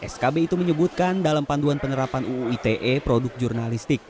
skb itu menyebutkan dalam panduan penerapan uu ite produk jurnalistik